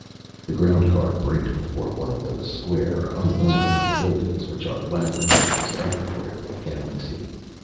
The ground car braked before one of those square, unornamented buildings which are laboratories everywhere in the galaxy.